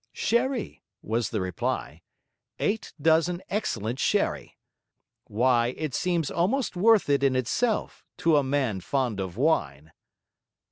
'Sherry,' was the reply. 'Eight dozen excellent sherry. Why, it seems almost worth it in itself; to a man fond of wine.'